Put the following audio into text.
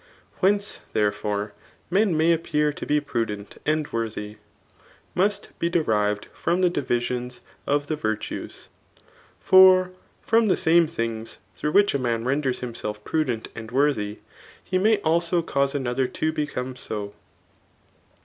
Whence, therefore, men may appear to be prudent and worthy, must be derived from die divisions of the virtues ; for from the same things through which a man renders himself prudent and worthy, he may also cause another to become so.